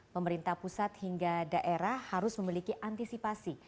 pemerintah pusat hingga daerah harus memiliki antisipasi